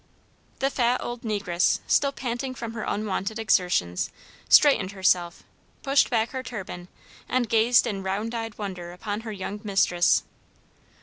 The fat old negress, still panting from her unwonted exertions, straightened herself, pushed back her turban, and gazed in round eyed wonder upon her young mistress.